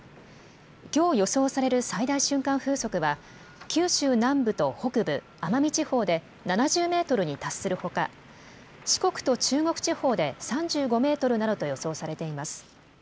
きょう予想される最大瞬間風速は、九州南部と北部、奄美地方で７０メートルに達するほか、四国と中国地方で３５メートルなどと予想されています。